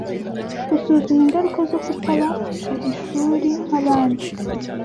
Gusuzuma ingaruka zo kutaba kishuri nkabandi